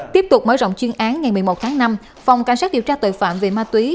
tiếp tục mở rộng chuyên án ngày một mươi một tháng năm phòng cảnh sát điều tra tội phạm về ma túy